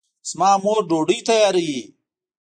زما مور ډوډۍ تیاروي